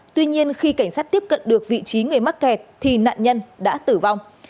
tuy nhiên khi cảnh sát tiếp cận được vị trí người mắc kẹt thì nạn nhân đã tử vong